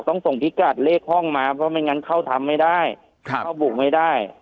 ต้องส่งพิกัดเลขห้องมาเพราะไม่งั้นเข้าทำไม่ได้เข้าบุกไม่ได้